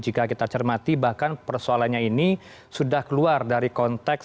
jika kita cermati bahkan persoalannya ini sudah keluar dari konteks